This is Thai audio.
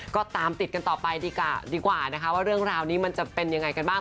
ก็ตามติดกันต่อไปดีกว่าดีกว่านะคะว่าเรื่องราวนี้มันจะเป็นยังไงกันบ้าง